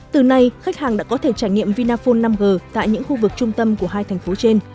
từ nay khách hàng đã có thể trải nghiệm vinaphone năm g tại những khu vực trung tâm của hai thành phố trên